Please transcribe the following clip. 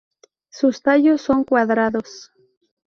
Sus tallos son cuadrados.